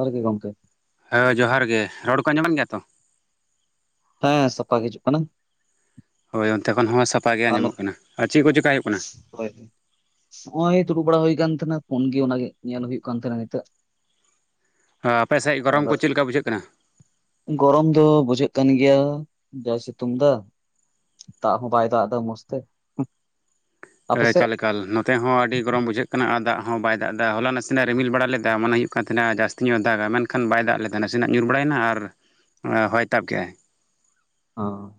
ᱡᱚᱦᱟᱨ ᱜᱮ ᱜᱚᱝᱠᱮ᱾ ᱦᱮᱸ ᱡᱚᱦᱟᱨ ᱜᱮ ᱨᱚᱲ ᱠᱚ ᱟᱡᱚᱢᱚᱜ ᱠᱟᱱ ᱜᱮᱭᱟ ᱛᱚ? ᱦᱮᱸ ᱥᱟᱯᱷᱟ ᱜᱮ ᱦᱤᱡᱩᱜ ᱠᱟᱱᱟ᱾ ᱦᱳᱭ ᱚᱱᱛᱮ ᱠᱷᱚᱱ ᱦᱚᱸ ᱥᱟᱯᱟᱜ ᱜᱮ ᱟᱨ ᱟᱸᱡᱚᱢᱚᱜ ᱱᱚᱛᱮ ᱠᱟᱱᱟ᱾ ᱟᱨ ᱪᱮᱫ ᱠᱩ ᱪᱤᱠᱟ ᱦᱩᱭᱩᱜ ᱠᱟᱱᱟ? ᱦᱳᱭ ᱱᱚᱜᱼᱚᱭ ᱫᱩᱲᱩᱵ ᱵᱟᱲᱟ ᱦᱩᱭ ᱠᱟᱱ ᱛᱟᱦᱮᱱᱟ ᱯᱷᱳᱱ ᱜᱮ ᱚᱱᱟᱜᱮ ᱧᱮᱞ ᱦᱩᱭᱩᱜ ᱠᱟᱱ ᱛᱟᱦᱮᱱᱟ ᱱᱤᱛᱚᱜ ᱟᱯᱮᱥ ᱥᱮᱡ ᱜᱚᱨᱚᱢ ᱟᱫᱚ ᱠᱚ ᱪᱮᱫ ᱞᱮᱠᱟ ᱵᱩᱡᱷᱟᱹᱜ ᱠᱟᱱᱟ? ᱜᱚᱨᱚᱢ ᱫᱚ ᱵᱩᱡᱷᱟᱹᱜ ᱠᱟᱱ ᱜᱮᱭᱟ ᱡᱟ ᱥᱤᱛᱩᱝ ᱫᱟ᱾ ᱫᱟᱜ ᱦᱚᱸ ᱵᱟᱭ ᱫᱟᱜ ᱮᱫᱟ ᱢᱚᱡᱽ ᱛᱮ ᱮ ᱟᱯᱮ ᱥᱮᱫ ᱮᱠᱟᱞ ᱮᱠᱟᱞ ᱱᱚᱛᱮ ᱦᱚᱸ ᱟᱹᱰᱤ ᱜᱚᱨᱚᱢ ᱵᱩᱡᱷᱟᱹᱜ ᱟᱨ ᱫᱟᱜ ᱦᱚᱸ ᱵᱟᱭ ᱫᱟᱜ ᱮᱫᱟ ᱦᱚᱞᱟ ᱱᱟᱥᱮᱱᱟᱜ ᱨᱤᱢᱤᱞ ᱵᱟᱲᱟ ᱞᱮᱫᱟ ᱢᱚᱱᱮ ᱦᱩᱭᱩᱜ ᱠᱟᱱ ᱛᱟᱦᱮᱱᱟ ᱡᱟᱥᱛᱤ ᱧᱚᱜ ᱮ ᱫᱟᱜᱟ ᱢᱮᱱ ᱠᱷᱟᱱ ᱵᱟᱭ ᱫᱟᱜ ᱞᱮᱫᱟ ᱱᱟᱥᱮᱱᱟᱜ ᱧᱩᱨ ᱵᱟᱲᱟᱭᱮᱱᱟ ᱟᱨ ᱦᱚᱭ ᱛᱟᱵ ᱠᱮᱫ ᱟᱭ᱾ ᱚ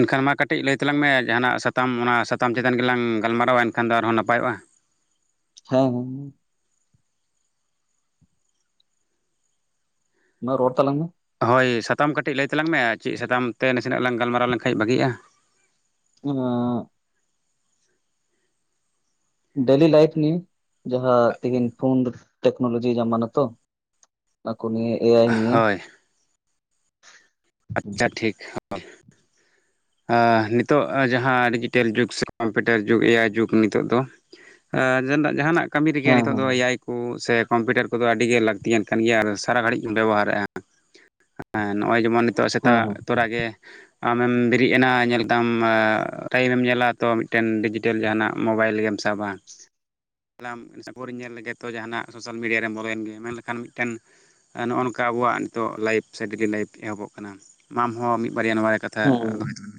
ᱮᱱᱠᱷᱟᱱ ᱢᱟ ᱠᱟᱹᱴᱤᱡ ᱞᱟᱹᱭ ᱛᱟᱞᱟᱝ ᱢᱮ ᱡᱟᱦᱟᱱᱟᱜ ᱥᱟᱛᱟᱢ ᱚᱱᱟ ᱥᱟᱛᱟᱢ ᱪᱮᱛᱟᱱ ᱜᱮᱞᱟᱝ ᱜᱟᱞᱢᱟᱨᱟᱣᱟ ᱮᱱᱠᱷᱟᱱ ᱫᱚ ᱟᱨᱦᱚᱸ ᱱᱟᱯᱟᱭᱚᱜᱼᱟ᱾ ᱦᱮᱸ ᱦᱩᱸ ᱢᱟ ᱨᱚᱲ ᱛᱟᱞᱟᱝ ᱢᱮ ᱦᱳᱭ ᱥᱟᱛᱟᱢ ᱠᱟᱹᱴᱤᱡ ᱞᱟᱹᱭ ᱛᱟᱞᱟᱝ ᱢᱮ ᱪᱮᱫ ᱥᱟᱛᱟᱢ ᱛᱮ ᱱᱟᱥᱮᱱᱟᱜ ᱞᱟᱝ ᱜᱟᱞᱢᱟᱨᱟᱣ ᱞᱮᱱᱠᱷᱟᱡ ᱵᱷᱟᱹᱜᱮᱜᱼᱟ? [unintelligible] ᱰᱮᱞᱤ ᱞᱟᱭᱤᱯᱷ ᱱᱤᱭ ᱡᱟᱦᱟᱸ ᱛᱤᱦᱤᱱ ᱯᱷᱳᱱ ᱴᱮᱠᱱᱚᱞᱚᱡᱤ ᱡᱟᱢᱟᱱᱟ ᱛᱚ ᱚᱱᱟᱠᱩ ᱱᱤᱭᱮ ᱮ ᱟᱭᱤ ᱱᱤᱭᱟᱹ ᱦᱳᱭ ᱟᱪᱪᱷᱟ ᱴᱷᱤᱠ ᱱᱤᱛᱚᱜ ᱡᱟᱦᱟᱸ ᱰᱤᱡᱤᱴᱮᱞ ᱡᱩᱜᱽ ᱥᱮ ᱠᱚᱢᱯᱤᱴᱟᱨ ᱡᱩᱜᱽ ᱮ ᱟᱭᱤ ᱡᱩᱜᱽ ᱱᱤᱛᱚᱜ ᱫᱚ ᱮ ᱡᱟᱦᱟᱱᱟᱜ ᱠᱟᱹᱢᱤ ᱨᱮᱜᱮ ᱦᱮᱸ ᱦᱮᱸ ᱱᱤᱛᱚᱜ ᱫᱚ ᱦᱮᱸ ᱮ ᱟᱭ ᱠᱩ ᱥᱮ ᱠᱚᱢᱯᱤᱭᱩᱴᱟᱨ ᱠᱚᱫᱚ ᱟᱹᱰᱤᱜᱮ ᱞᱟᱹᱠᱛᱤᱭᱟᱱ ᱠᱟᱱ ᱜᱮᱭᱟ ᱟᱨ ᱥᱟᱨᱟ ᱜᱷᱟᱹᱲᱤᱡᱤᱧ ᱵᱚᱱ ᱵᱮᱣᱦᱟᱨ ᱮᱫᱼᱟ᱾ ᱦᱮᱸ ᱱᱚᱜᱼᱚᱭ ᱡᱤᱢᱚᱱ ᱱᱤᱛᱚᱜ ᱦᱮᱸ ᱥᱮᱛᱟᱜ ᱛᱚᱨᱮ ᱜᱮ ᱟᱢᱮᱢ ᱵᱤᱨᱤᱫ ᱮᱱᱟ ᱧᱮᱞᱫᱟᱢ ᱴᱟᱭᱤᱢᱮᱢ ᱧᱮᱞᱟ ᱛᱚ ᱢᱤᱫ ᱴᱮᱱ ᱰᱤᱡᱤᱴᱮᱞ ᱡᱟᱦᱟᱱᱟᱜ ᱢᱳᱵᱟᱭᱤᱞ ᱜᱮᱢ ᱥᱟᱵᱟ᱾ [unintelligible] ᱧᱮᱞ ᱞᱮᱜᱮ ᱡᱟᱦᱟᱱᱟᱜ ᱥᱳᱥᱟᱞ ᱢᱤᱰᱤᱭᱟ ᱨᱮᱢ ᱵᱚᱞᱚᱭᱮᱱ ᱜᱮ ᱢᱮᱱᱞᱠᱷᱟᱱ ᱢᱤᱫ ᱴᱮᱱ ᱱᱚᱜᱼᱚ ᱱᱚᱝᱠᱟ ᱟᱵᱚᱣᱟᱜ ᱱᱤᱛᱚᱜ ᱞᱟᱭᱤᱯᱷ ᱥᱮ ᱰᱮᱞᱤ ᱞᱟᱭᱤᱯᱷ ᱮᱦᱚᱵᱚᱜ ᱟᱢ ᱦᱚᱸ ᱢᱤᱫ ᱵᱟᱨᱭᱟ ᱱᱚᱣᱟ ᱨᱮ ᱠᱟᱛᱷᱟ ᱦᱩᱸ ᱫᱚᱦᱚᱭ ᱛᱟᱞᱟᱝ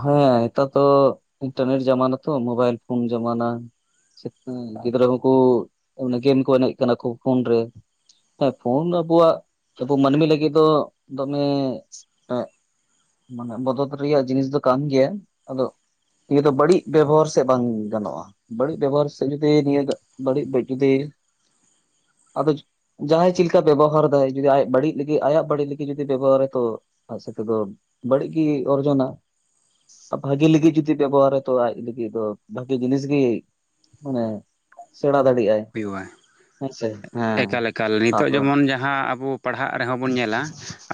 ᱦᱮᱸ ᱱᱮᱛᱟᱨ ᱫᱚ ᱤᱱᱴᱟᱨᱱᱮᱴ ᱡᱟᱢᱟᱱᱟ ᱛᱚ ᱢᱳᱵᱟᱭᱤᱞ ᱯᱷᱳᱱ ᱡᱟᱢᱟᱱᱟ ᱜᱤᱫᱽᱨᱟᱹ ᱦᱚᱸᱠᱩ ᱜᱮᱢ ᱠᱩ ᱮᱱᱮᱡ ᱠᱟᱱᱟ ᱠᱩ ᱯᱷᱳᱱ ᱨᱮ᱾ ᱦᱮᱸ ᱯᱷᱳᱱ ᱟᱵᱚᱣᱟᱜ ᱟᱵᱚ ᱢᱟᱹᱱᱢᱤ ᱞᱟᱹᱜᱤᱫ ᱫᱚ ᱫᱚᱢᱮ ᱮ ᱢᱟᱱᱮ ᱵᱚᱫᱚᱫ ᱨᱮᱭᱟᱜ ᱡᱤᱱᱤᱥ ᱫᱚ ᱠᱟᱱ ᱜᱮᱭᱟ ᱟᱫᱚ ᱱᱤᱭᱟᱹ ᱫᱚ ᱵᱟᱹᱲᱤᱡ ᱵᱮᱵᱚᱦᱟᱨ ᱥᱮᱫ ᱵᱟᱝ ᱜᱟᱱᱚᱜᱼᱟᱺ ᱵᱟᱹᱲᱤᱡ ᱵᱮᱵᱚᱦᱟᱨ ᱥᱮ ᱡᱩᱫ ᱱᱤᱭᱟᱹ ᱵᱟᱹᱲᱤᱡᱩᱫ ᱟᱫᱚ ᱡᱟᱦᱟᱸᱭ ᱪᱮᱫ ᱞᱮᱠᱟᱟᱭ ᱵᱮᱵᱚᱦᱟᱨ ᱫᱟᱭ ᱡᱩᱫᱤ ᱟᱭᱟᱜ ᱵᱟᱹᱲᱤᱡ ᱞᱟᱹᱜᱤᱫ ᱟᱭᱟᱜ ᱵᱟᱹᱲᱤᱡ ᱞᱟᱹᱜᱤᱫ ᱡᱩᱫᱤ ᱵᱮᱵᱚᱦᱟᱨᱟ ᱛᱚ ᱥᱮᱛ ᱫᱚ ᱵᱟᱹᱲᱜᱤ ᱚᱨᱡᱳᱱᱟ ᱵᱷᱟᱜᱤ ᱞᱟᱹᱜᱤᱫ ᱡᱩᱚᱫᱤ ᱵᱮᱵᱚᱦᱟᱨᱟ ᱛᱚ ᱟᱡ ᱞᱟᱹᱜᱤᱫ ᱵᱷᱟᱜᱤ ᱡᱤᱱᱤᱥ ᱜᱮᱤ ᱢᱟᱱᱮ ᱥᱮᱬᱟ ᱫᱟᱲᱮᱭᱟᱜᱼᱟᱭ ᱦᱩᱭᱩᱜᱼᱟ ᱦᱮᱸᱥᱮ ᱦᱮᱸ ᱮᱠᱟᱞᱠᱟᱞ ᱱᱤᱛᱚᱜ ᱛᱟᱨᱯᱚᱨ ᱡᱮᱢᱚᱱ ᱡᱟᱦᱟᱸ ᱟᱵᱚ ᱯᱟᱲᱦᱟᱜ ᱨᱮᱦᱚᱸ ᱵᱚᱱ ᱧᱮᱞᱟ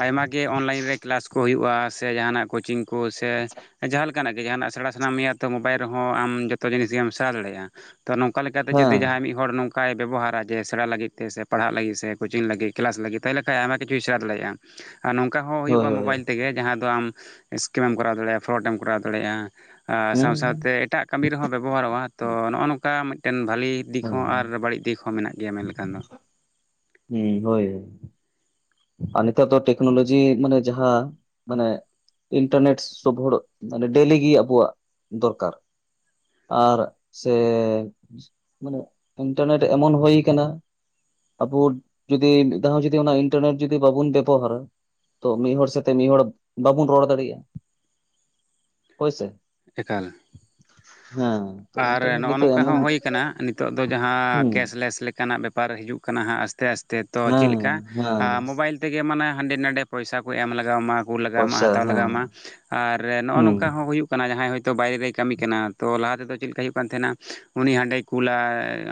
ᱟᱭᱢᱟᱟᱜ ᱜᱮ ᱚᱱᱞᱟᱭᱤᱱ ᱨᱮ ᱠᱮᱞᱟᱥ ᱠᱚ ᱦᱩᱭᱩᱜᱼᱟ ᱥᱮ ᱡᱟᱦᱟᱱᱟᱜ ᱠᱳᱪᱤᱝ ᱠᱩ ᱥᱮ ᱡᱟᱦᱟᱸ ᱞᱮᱠᱟ ᱱᱟᱜ ᱜᱮ ᱡᱟᱦᱟᱱᱟᱜ ᱥᱮᱬᱟ ᱥᱟᱱᱟᱢ ᱢᱮᱭᱟ ᱛᱚ ᱢᱳᱵᱟᱭᱤᱞ ᱨᱮᱦᱚᱸ ᱟᱢ ᱡᱚᱛᱚ ᱡᱤᱱᱤᱥ ᱜᱮᱢ ᱥᱮᱬᱟ ᱫᱟᱲᱮᱭᱟᱜᱼᱟ ᱛᱚ ᱱᱚᱝᱠᱟ ᱞᱮᱠᱟᱛᱮ ᱡᱩᱫᱤ ᱦᱮᱸ ᱡᱟᱦᱟᱸᱭ ᱢᱤᱫ ᱦᱚᱲ ᱱᱚᱝᱠᱟᱭ ᱵᱮᱵᱚᱦᱟᱨᱟ ᱡᱮ ᱥᱮᱬᱟ ᱞᱟᱹᱜᱤᱫ ᱛᱮ ᱥᱮ ᱯᱟᱲᱦᱟᱜ ᱞᱟᱹᱜᱤᱫ ᱥᱮ ᱠᱳᱪᱤᱝ ᱞᱟᱹᱜᱤᱫ ᱠᱞᱟᱥ ᱞᱟᱹᱜᱤᱫ ᱛᱟᱭᱞᱮ ᱟᱭᱢᱟ ᱠᱤᱪᱷᱩ ᱤᱥᱟᱨ ᱫᱟᱲᱮᱭᱟᱜᱼᱟ ᱟᱨ ᱱᱚᱝᱠᱟ ᱦᱚᱸ ᱦᱳᱭ ᱦᱩᱭᱩᱜᱼᱟ ᱦᱳᱭ ᱢᱳᱵᱟᱭᱤᱞ ᱛᱮᱜᱮ ᱡᱟᱦᱟᱸ ᱫᱚ ᱟᱢ ᱥᱠᱤᱢ ᱮᱢ ᱠᱚᱨᱟᱣ ᱫᱟᱲᱮᱭᱟᱜᱼᱟ ᱯᱷᱨᱰ ᱮᱢ ᱠᱚᱨᱟᱣ ᱫᱟᱲᱮᱭᱟᱜᱼᱟ ᱥᱟᱶ ᱦᱩᱸ ᱥᱟᱶᱛᱮ ᱮᱴᱟᱜ ᱠᱟᱹᱢᱤ ᱨᱮᱦᱚᱸ ᱵᱮᱵᱚᱦᱟᱨᱚᱜᱼᱟ ᱛᱚ ᱱᱚᱜᱼᱚ ᱱᱚᱝᱠᱟ ᱢᱤᱫᱴᱮᱱ ᱵᱷᱟᱞᱮ ᱫᱤᱠ ᱦᱮᱸ ᱦᱚᱸ ᱟᱨ ᱵᱟᱹᱲᱤᱡ ᱫᱤᱠ ᱦᱚᱸ ᱢᱮᱱᱟᱜ ᱜᱮᱭᱟ ᱢᱮᱱᱞᱠᱷᱟᱱ ᱫᱚ ᱦᱮᱸ ᱦᱳᱭ ᱟᱨ ᱱᱤᱛᱟᱨ ᱫᱚ ᱴᱮᱠᱱᱳᱞᱚᱡᱤ ᱢᱟᱱᱮ ᱡᱟᱦᱟᱸ ᱢᱟᱱᱮ ᱤᱱᱴᱟᱨᱱᱮᱴ ᱥᱳᱚᱵ ᱦᱚᱲ ᱢᱟᱱᱮ ᱰᱮᱞᱤᱜ ᱜᱮ ᱟᱵᱚᱣᱟᱜ ᱫᱚᱨᱠᱟᱨ ᱟᱨ ᱥᱮ ᱢᱟᱱᱮ ᱤᱱᱴᱟᱨᱱᱮᱴ ᱮᱢᱚᱱ ᱦᱩᱭ ᱟᱠᱟᱱᱟ ᱟᱵᱚ ᱡᱩᱫᱤ ᱢᱤᱫ ᱫᱦᱚ ᱡᱩᱫᱤ ᱚᱱᱟ ᱤᱱᱴᱟᱨᱱᱮᱴ ᱡᱩᱫᱤ ᱵᱟᱵᱚᱱ ᱵᱮᱵᱚᱦᱟᱨᱟ ᱛᱚ ᱢᱤᱫ ᱦᱚᱲᱚᱲ ᱥᱟᱛᱮ ᱢᱤᱫ ᱦᱚᱲᱚᱲ ᱵᱟᱵᱚᱱ ᱨᱚᱲ ᱫᱟᱲᱮᱭᱟᱜᱼᱟ ᱦᱚ ᱥᱮ ᱮᱠᱟᱞ ᱦᱮᱸ ᱛᱚ ᱟᱨ ᱤᱱᱴᱟᱨᱱᱮᱴ ᱱᱚᱜᱼᱚ ᱱᱤᱛᱚᱜ ᱱᱚᱝᱠᱟ ᱮᱢᱚᱱ ᱦᱚᱸ ᱦᱩᱠᱟᱱᱟ ᱱᱤᱛᱚᱜ ᱫᱚ ᱡᱟᱦᱟᱸ ᱦᱩᱸ ᱠᱮᱥᱞᱮᱥ ᱞᱮᱠᱟᱱᱟᱜ ᱵᱮᱯᱟᱨ ᱦᱤᱡᱩᱜ ᱠᱟᱱᱟ ᱠᱟᱱᱟ ᱟᱥᱛᱮ ᱟᱥᱛᱮ ᱛᱚ ᱪᱮᱫ ᱦᱮᱸ ᱞᱮᱠᱟ ᱦᱮᱸ ᱢᱳᱵᱟᱭᱤᱞ ᱛᱮᱜ ᱜᱮ ᱢᱟᱱᱮ ᱦᱟᱸᱰᱮ ᱱᱟᱰᱮ ᱯᱚᱭᱥᱟ ᱠᱚ ᱮᱢ ᱞᱟᱜᱟᱣᱟᱢᱟ ᱟᱹᱜᱩ ᱞᱟᱜᱟᱣᱢᱟ ᱯᱚᱭᱥᱟ ᱦᱟᱛᱟᱣ ᱦᱮᱸ ᱞᱟᱜᱟᱣᱢᱟ ᱟᱨ ᱱᱚᱜᱼᱚ ᱦᱩᱸ ᱱᱚᱝᱠᱟ ᱦᱚᱸ ᱦᱩᱭᱩᱜᱼᱟ ᱡᱟᱦᱟᱸᱭ ᱦᱚᱳᱭᱛᱳ ᱵᱟᱭᱨᱮᱭ ᱠᱟᱹᱢᱤ ᱠᱟᱱᱟ ᱛᱚ ᱞᱟᱦᱟ ᱛᱮᱫᱚ ᱪᱮᱫ ᱞᱮᱠᱟ ᱦᱩᱭᱩᱜ ᱠᱟᱱ ᱛᱟᱦᱮᱱᱟ ᱩᱱᱤ ᱦᱟᱸᱰᱮ ᱠᱩᱞᱟ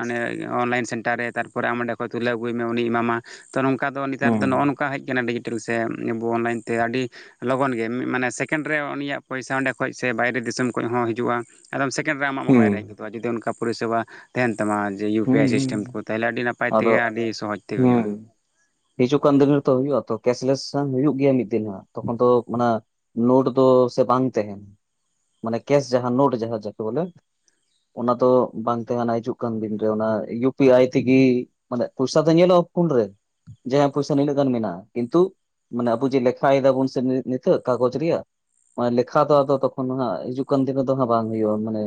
ᱚᱱᱮ ᱚᱱᱞᱟᱭᱤᱱ ᱥᱮᱱᱴᱟᱨ ᱨᱮ ᱛᱟᱨᱯᱚᱨᱮ ᱟᱢ ᱚᱸᱰᱮ ᱠᱷᱚᱱᱚᱡ ᱛᱩᱞᱟᱹᱣ ᱟᱹᱜᱩᱭ ᱢᱮ ᱩᱱᱤᱤᱭ ᱮᱢᱟᱢᱟ ᱛᱚ ᱱᱚᱝᱠᱟ ᱫᱚ ᱱᱮᱛᱟᱨ ᱦᱩᱸ ᱫᱚ ᱱᱚᱜᱼᱚ ᱱᱚᱝᱠᱟ ᱱᱚᱠᱟ ᱦᱮᱡ ᱟᱠᱟᱱᱟ ᱰᱤᱡᱤᱴᱮᱞ ᱥᱮ ᱟᱵᱚ ᱚᱱᱞᱟᱭᱤᱱ ᱛᱮ ᱟᱹᱰᱤ ᱞᱚᱜᱚᱱ ᱜᱮ ᱢᱟᱱᱮ ᱥᱮᱠᱮᱱᱰ ᱨᱮ ᱩᱱᱤᱭᱟᱜ ᱯᱚᱭᱥᱟ ᱚᱸᱰᱮ ᱠᱷᱚᱱ ᱥᱮ ᱵᱟᱭᱨᱮ ᱫᱤᱥᱚᱢ ᱠᱷᱚᱱ ᱦᱚᱸ ᱦᱤᱡᱩᱜᱼᱟ ᱟᱫᱚᱢ ᱥᱮᱠᱮᱱᱰ ᱨᱮ ᱟᱢᱟᱜ ᱦᱩᱸ ᱢᱳᱟᱭ ᱨᱮ ᱦᱮᱡ ᱜᱚᱫᱚᱜᱼᱟ ᱡᱩᱫᱤ ᱚᱱᱠᱟ ᱯᱚᱨᱤᱥᱮᱵᱟ ᱛᱟᱦᱮᱱ ᱛᱟᱢᱟ ᱡᱮ ᱤᱭᱩ ᱯᱤ ᱦᱩᱸ ᱟᱭ ᱦᱩᱸ ᱥᱤᱥᱴᱮᱢ ᱠᱚ ᱛᱟᱦᱚᱞᱮ ᱟᱹᱰᱤ ᱱᱟᱯᱟᱭ ᱟᱫᱚ ᱛᱮᱜᱮ ᱟᱹᱰᱤ ᱥᱚᱦᱚᱡᱽ ᱛᱮᱜᱮ ᱦᱩᱭᱩᱜᱼᱟ ᱦᱩᱸ ᱦᱤᱡᱩᱜ ᱠᱟᱱ ᱫᱤᱱ ᱨᱮᱛᱚ ᱦᱩᱭᱩᱜᱼᱟ ᱛᱚ ᱠᱮᱥᱞᱮᱥ ᱦ ᱦᱩᱭᱩᱜᱭᱳ ᱜᱮᱭᱟ ᱢᱤᱫ ᱫᱤᱱ ᱛᱚᱠᱷᱚᱱ ᱫᱚ ᱚᱱᱟ ᱱᱳᱴ ᱫᱚ ᱥᱮ ᱵᱟᱝ ᱛᱟᱦᱮᱱᱟ ᱢᱟᱱᱮ ᱠᱮᱥ ᱡᱟᱦᱟᱸ ᱱᱳᱴ ᱡᱟᱦᱟᱸ ᱡᱟ ᱵᱚᱞᱮ ᱚᱱᱟ ᱫᱚ ᱵᱟᱝ ᱛᱟᱦᱮᱸᱱᱟ ᱦᱤᱡᱩᱜ ᱠᱟᱱ ᱵᱤᱱ ᱚᱱᱟ ᱤᱭᱩ ᱯᱤ ᱟᱭ ᱛᱮᱜᱮ ᱢᱟᱱᱮ ᱯᱚᱭᱥᱟ ᱛ ᱧᱮᱞᱚᱜᱼᱟ ᱯᱷᱚᱱ ᱨᱮ ᱡᱟᱦᱟ ᱯᱚᱭᱥᱟ ᱱᱤᱱᱟᱹᱜ ᱜᱟᱱ ᱢᱮᱱᱟᱜᱼᱟ ᱠᱤᱱᱛᱩ ᱢᱟᱱᱮ ᱟᱵᱩ ᱡᱮ ᱞᱮᱠᱷᱟ ᱫᱟᱵᱚᱱ ᱥᱮ ᱱᱤᱛ ᱠᱟᱜᱡᱽ ᱨᱮᱭᱟᱜ ᱢᱮ ᱞᱮᱠᱷᱟ ᱫᱚ ᱟ ᱛᱚᱠᱷᱚᱱ ᱦ ᱦᱤᱡᱩᱜ ᱠᱟᱱ ᱛᱤᱱ ᱫᱚ ᱦᱟᱸᱜ ᱵᱟᱝ ᱦ ᱦᱩᱭᱩᱜᱼᱟ ᱢᱟᱱᱮ